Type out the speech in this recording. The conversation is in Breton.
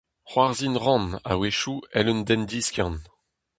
C'hoarzhin 'ran, a-wechoù, 'vel un den diskiant.